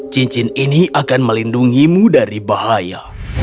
cincin ini akan melindungimu dari bahaya